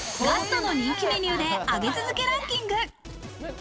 ガストの人気メニューで上げ続けランキング。